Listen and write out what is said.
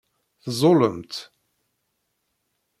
Teẓẓullemt.